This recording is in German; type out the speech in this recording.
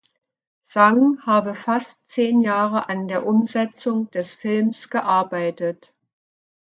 Zhang habe fast zehn Jahre an der Umsetzung des Films gearbeitet.